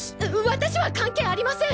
私は関係ありません！